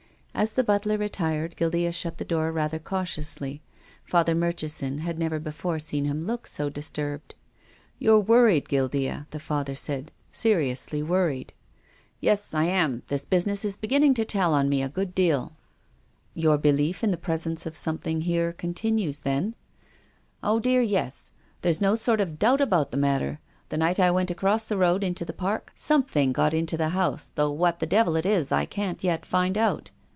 As the butler retired, Guildea shut the door rather cautiously. Father Murchison had never before seen him look so disturbed. " You're worried, Guildea," the Father said. " Seriously worried." " Yes, I am. This business is beginning to tell on me a good deal." PROFESSOR GUILDEA. 305 " Your belief in the presence of something here continues then ?"" Oh, dear, yes. There's no sort of doubt about the matter. The night I went across the road into the Park something got into the house, though what the devil it is I can't yet find out.